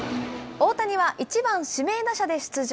大谷は１番指名打者で出場。